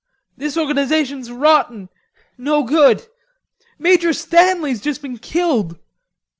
This organization's rotten, no good.... Major Stanley's just been killed.